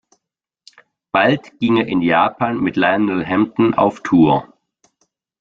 Bald ging er in Japan mit Lionel Hampton auf Tour.